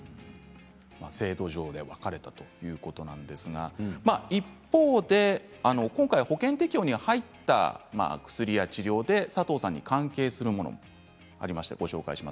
制度上で分かれたということなんですが一方で今回、保険適用に入った薬や治療で佐藤さんに関係するものがありました。